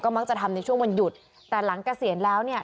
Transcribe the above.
มักจะทำในช่วงวันหยุดแต่หลังเกษียณแล้วเนี่ย